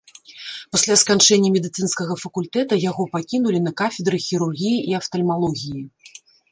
Пасля сканчэння медыцынскага факультэта яго пакінулі на кафедры хірургіі і афтальмалогіі.